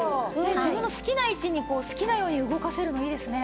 自分の好きな位置にこう好きなように動かせるのいいですね。